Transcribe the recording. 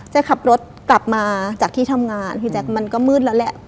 ขับรถกลับมาจากที่ทำงานพี่แจ๊คมันก็มืดแล้วแหละ